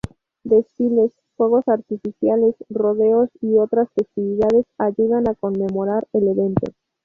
Desfiles, fuegos artificiales, rodeos y otras festividades ayudan a conmemorar el evento.